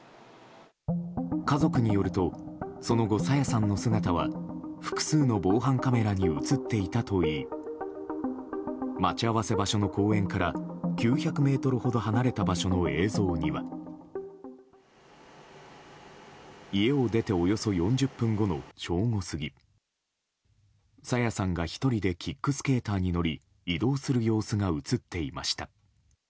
家族によるとその後、朝芽さんの姿は複数の防犯カメラに映っていたといい待ち合わせ場所の公園から９００ｍほど離れた場所の映像には家を出ておよそ４０分後の正午過ぎ朝芽さんが１人でキックスケーターに乗り移動する様子が映っていました。